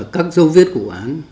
các dấu viết của vụ án